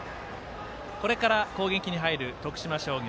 これから攻撃に入る徳島商業。